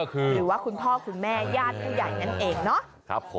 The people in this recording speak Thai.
หรือว่าคุณพ่อคุณแม่ญาติผู้ใหญ่นั่นเองเนาะ